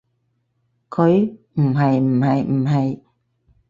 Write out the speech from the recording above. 佢？唔係唔係唔係